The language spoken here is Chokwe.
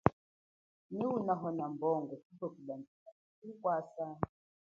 Nyi unahona mbongo chipwe kulandjisa muchi kukwasa.